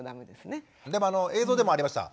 でも映像でもありました。